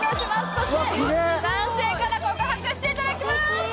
そして男性から告白していただきます